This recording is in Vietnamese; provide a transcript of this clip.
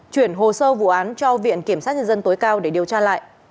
chuyển hồ sơ vụ án cho viện kiểm sát nhân dân tối cao để điều tra lại